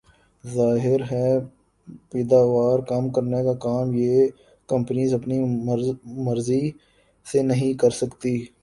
ظاہر ہے پیداوار کم کرنے کا کام یہ کمپنیز اپنی مرضی سے نہیں کر سکتیں